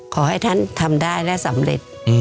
ขอให้ท่านทำได้และสำเร็จ